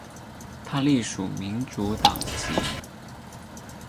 他隶属民主党籍。